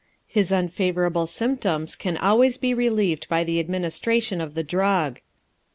His unfavorable symptoms can always be relieved by the administration of the drug.